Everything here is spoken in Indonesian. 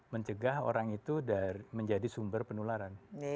mencegah orang itu menjadi sumber penularan